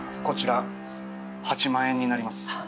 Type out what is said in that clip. こちら８万円になります。